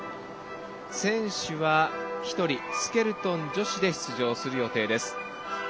選手は１人、スケルトン女子で出場する予定です。